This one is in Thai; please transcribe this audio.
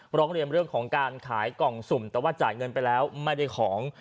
ร้องเรียนเรื่องของการขายกล่องสุ่มแต่ว่าจ่ายเงินไปแล้วไม่ได้ของ